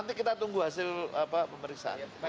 nanti kita tunggu hasil pemeriksaan